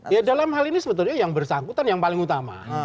ya dalam hal ini sebetulnya yang bersangkutan yang paling utama